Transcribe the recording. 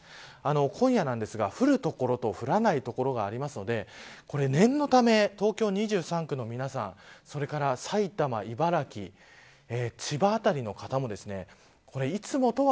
今夜なんですが、降る所と降らない所があるので念のため、東京２３区の皆さんそれから埼玉、茨城千葉辺りの方もいつもとは。